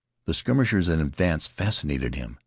The skirmishers in advance fascinated him.